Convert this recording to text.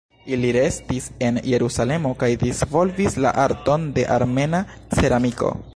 Ili restis en Jerusalemo kaj disvolvis la arton de armena ceramiko.